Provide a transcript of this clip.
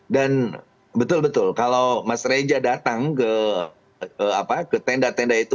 dan betul betul kalau mas reza datang ke tenda tenda itu